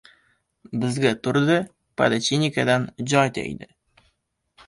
Bizga Turdi podachinikidan joy tegdi.